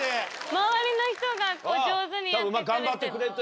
周りの人が上手にやってくれて。